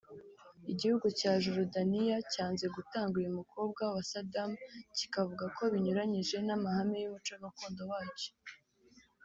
Igihugu cya Jorudaniya cyanze gutanga uyu mukobwa wa Saddam kikavuga ko binyuranyije n’ amahame y’ umuco gakondo wacyo